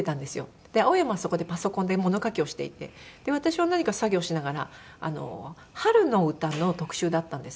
青山はそこでパソコンで物書きをしていて私は何か作業しながら春の歌の特集だったんです。